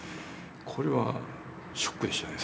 これはショックでしたね